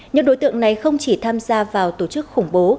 những đối tượng này không chỉ tham gia vào tổ chức khủng bố